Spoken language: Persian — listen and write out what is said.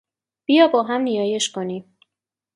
بیا با هم نیایش کنیم.